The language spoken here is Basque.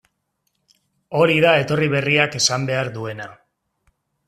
Hori da etorri berriak esan behar duena.